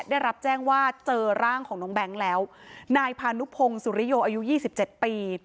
ได้รับแจ้งว่าเจอร่างของน้องแบงค์แล้วนายพานุพงศุริโยอายุยี่สิบเจ็ดปี